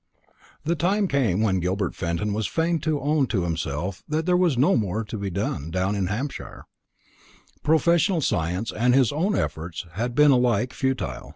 The time came when Gilbert Fenton was fain to own to himself that there was no more to be done down in Hampshire: professional science and his own efforts had been alike futile.